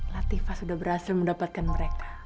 latifah sudah berhasil mendapatkan mereka